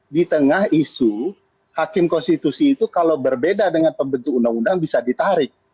di tengah isu hakim konstitusi itu kalau berbeda dengan pembentuk undang undang bisa ditarik